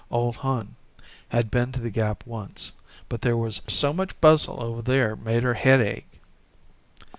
Ole Hon had been to the Gap once, but there was "so much bustle over thar it made her head ache."